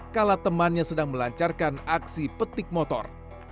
kala temannya sedang melancarkan aksi petik motor